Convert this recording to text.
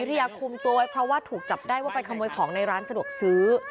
ยาคุมตัวไว้เพราะว่าถูกจับได้ว่าไปขโมยของในร้านสะดวกซื้อ